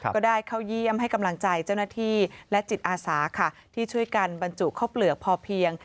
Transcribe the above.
ก็ได้เข้าเยี่ยมให้กำลังใจเจ้าหน้าที่และจิตอาสาค่ะที่ช่วยกันบรรจุข้าวเปลือกพอเพียง